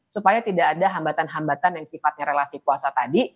supaya tidak ada hambatan hambatan yang sifatnya relasi kuasa tadi